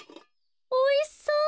おいしそう。